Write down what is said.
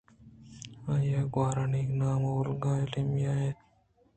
آئی ءِگوٛہارانی نام اولگا ءُایمیلیا اِت اَنت